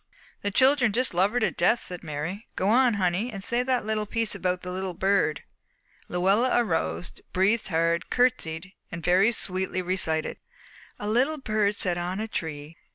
"The children just love her to death," said Mary. "Go on, honey, and say the little piece about the little bird." Luella arose, breathed hard, curtseyed, and very sweetly recited, A little bird sat on a tree, And waved his little wing at me.